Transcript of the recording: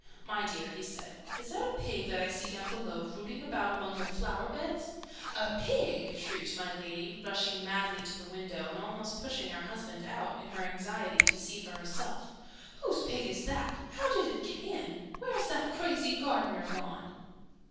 "My dear," he said, "is that a pig that I see down below, rooting about among your flower beds?" "A pig!" shrieked my Lady, rushing madly to the window, and almost pushing her husband out, in her anxiety to see for herself. "Whose pig is it? How did it get in? Where's that crazy Gardener gone?"